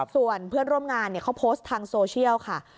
ส่วนเพื่อนร่วมงานเขาโพสต์ทางโซเชียลค่ะ